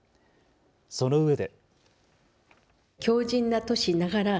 そのうえで。